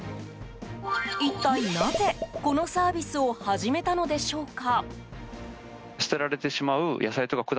一体なぜ、このサービスを始めたのでしょうか。